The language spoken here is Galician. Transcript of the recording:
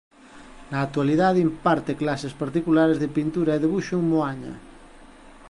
Na actualidade imparte clases particulares de pintura e debuxo en Moaña.